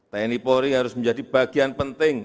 tni polri harus menjadi bagian penting